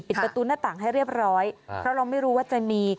ประตูหน้าต่างให้เรียบร้อยเพราะเราไม่รู้ว่าจะมี